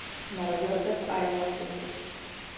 Narodil se v Iowa City.